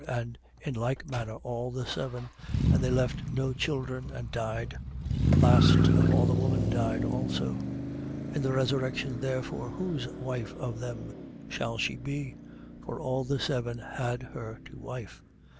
And in like manner, all the seven: and they left no children and died. 20:32. Last of all the woman died also. 20:33. In the resurrection therefore, whose wife of them shall she be? For all the seven had her to wife. 20:34.